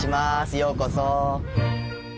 ようこそ。